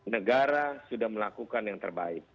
negara sudah melakukan yang terbaik